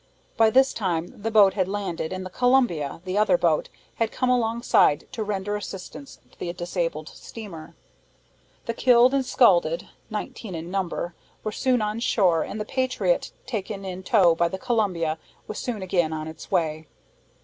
By this time the boat had landed, and the Columbia, the other boat, had come alongside to render assistance to the disabled steamer. The killed and scalded (nineteen in number) were put on shore, and the Patriot, taken in tow by the Columbia, was soon again on its way.